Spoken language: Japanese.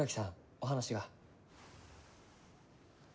お話が。